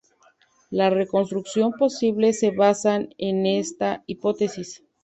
La reconstrucción posible se basan en esta hipótesis.